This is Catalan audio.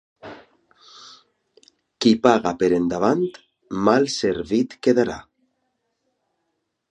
Qui paga per endavant, mal servit quedarà.